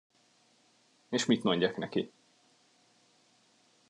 És mit mondjak neki?